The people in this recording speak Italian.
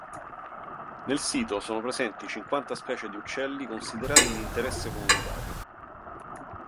Nel sito sono presenti cinquanta specie di uccelli considerati di interesse comunitario.